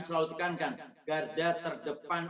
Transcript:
selalu dikankan garda terdepan